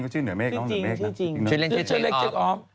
ชื่อเล็กเทคอฟ